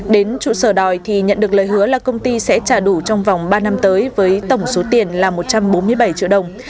đến trụ sở đòi thì nhận được lời hứa là công ty sẽ trả đủ trong vòng ba năm tới với tổng số tiền là một trăm bốn mươi bảy triệu đồng